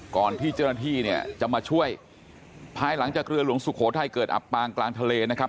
ก่อนที่เจ้าหน้าที่เนี่ยจะมาช่วยภายหลังจากเรือหลวงสุโขทัยเกิดอับปางกลางทะเลนะครับ